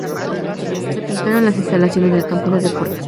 Se pintaron las instalaciones del campo de deportes.